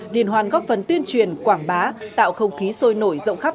liên hoan góp phần tuyên truyền quảng bá tạo không khí sôi nổi rộng khắp